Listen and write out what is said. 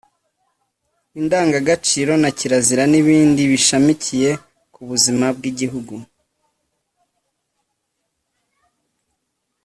indangagaciro na kirazira n’ibindi bishamikiye ku buzima bw’igihugu